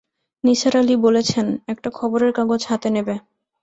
নিসার আলি বলেছেন, একটা খবরের কাগজ হাতে নেবে।